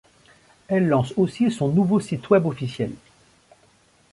Elle lance aussi son nouveau site web officiel.